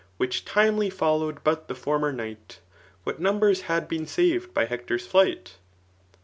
Which timely followed but the former mght, What numbm had been saved by Hector's flight